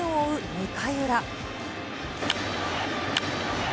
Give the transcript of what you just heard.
２回裏。